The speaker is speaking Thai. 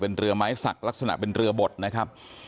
เป็นเรือไม้สักลักษณะเป็นเรือบดนะครับ